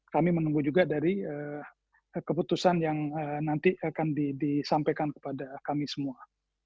kami menunggu juga dari keputusan yang nanti akan disampaikan kepada kami semua